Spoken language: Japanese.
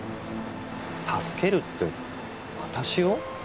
助けるって私を？